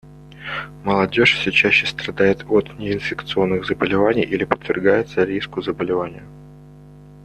Молодежь все чаще страдает от неинфекционных заболеваний или подвергается риску заболевания.